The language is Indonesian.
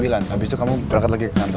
habis itu kamu berangkat lagi ke kantor